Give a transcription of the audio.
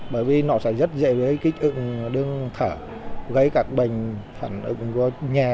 bởi vì nó sẽ rất dễ bị kích ựng đương thở gây các bệnh phản ứng vô nhà